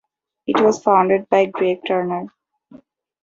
It was founded by Greg Turner.